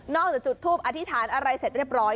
จากจุดทูปอธิษฐานอะไรเสร็จเรียบร้อย